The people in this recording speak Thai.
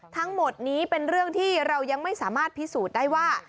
ทั้งหมดนี้เป็นเรื่องที่เรายังไม่สามารถพิสูจน์ได้ว่า